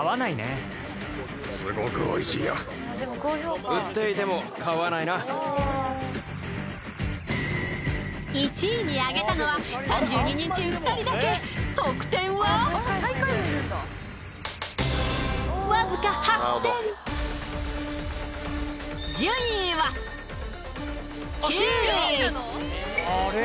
そんな１位に挙げたのは３２人中２人だけ得点はわずか８点順位はあれ？